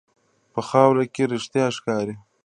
په خاوره کې رښتیا ښکاري.